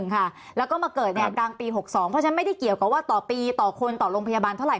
แล้วก็มาเกิดกลางปี๖๒เพราะฉะนั้นไม่ได้เกี่ยวกับว่าต่อปีต่อคนต่อโรงพยาบาลเท่าไห